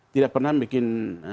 tidak pernah bikin